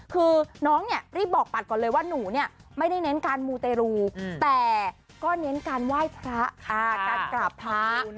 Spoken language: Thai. คือน้องเนี่ยรีบบอกปัดก่อนเลยว่าหนูเนี่ยไม่ได้เน้นการมูเตรูแต่ก็เน้นการไหว้พระการกราบพระ